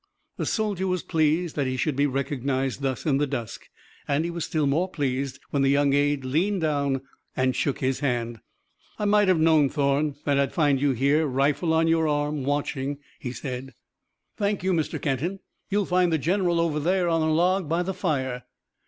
The soldier was pleased that he should be recognized thus in the dusk, and he was still more pleased when the young aide leaned down and shook his hand. "I might have known, Thorn, that I'd find you here, rifle on your arm, watching," he said. "Thank you, Mr. Kenton. You'll find the general over there on a log by the fire."